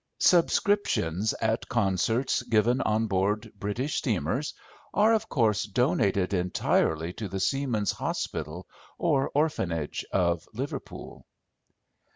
Subscriptions at concerts given on board British steamers are of course donated entirely to the Seamen's Hospital or Orphanage of Liverpool."